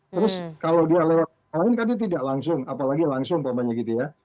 terus kalau dia lewat lain kan dia tidak langsung apalagi langsung umpamanya gitu ya